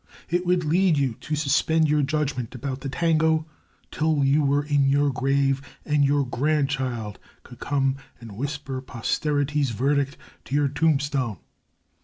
It would lead you to suspend your judgment about the Tango till you were in your grave and your grandchild could come and whisper posterity's verdict to your tombstone.